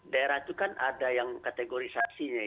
daerah itu kan ada yang kategorisasi ya